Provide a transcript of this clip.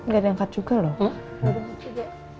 gak diangkat juga loh